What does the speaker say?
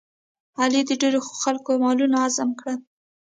علي د ډېرو خلکو مالونه هضم کړل.